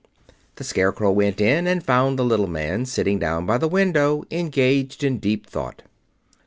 The Scarecrow went in and found the little man sitting down by the window, engaged in deep thought.